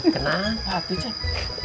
kenapa tuh ceng